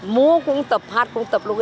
mua cũng tập hát cũng tập luôn